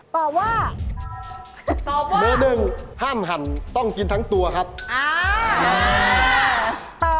ตอบว่าตอบมือหนึ่งห้ามหั่นต้องกินทั้งตัวครับ